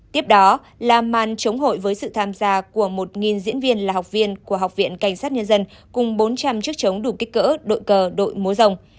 tiếp đó là màn chống hội với sự tham gia của một diễn viên là học viên của học viện cảnh sát nhân dân cùng bốn trăm linh chiếc chống đủ kích cỡ đội cờ đội múa rồng